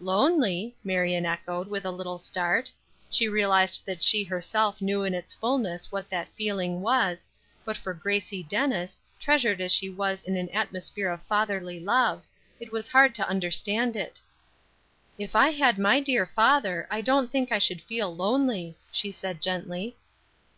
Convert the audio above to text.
"Lonely!" Marion echoed, with a little start. She realized that she herself knew in its fulness what that feeling was, but for Gracie Dennis, treasured as she was in an atmosphere of fatherly love, it was hard to understand it. "If I had my dear father I don't think I should feel lonely," she said gently.